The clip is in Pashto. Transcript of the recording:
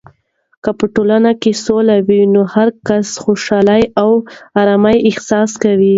که په ټولنه کې سوله وي، نو هرکس خوشحال او ارام احساس کوي.